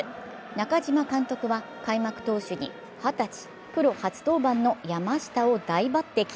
中嶋監督は開幕投手に二十歳、プロ初登板の山下を大抜擢。